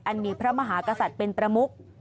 อันนี้มีพระมหากษัตริย์เป็นประมุข